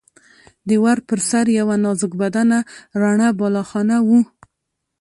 د ور پر سر یوه نازک بدنه رڼه بالاخانه وه.